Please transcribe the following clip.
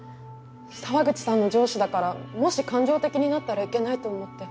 沢口さんの上司だからもし感情的になったらいけないと思って。